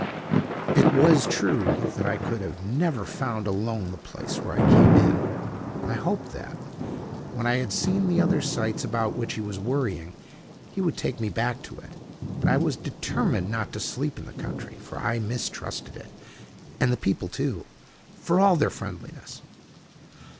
It was true that I could have never found alone the place where I came in, and I hoped that, when I had seen the other sights about which he was worrying, he would take me back to it. But I was determined not to sleep in the country, for I mistrusted it, and the people too, for all their friendliness.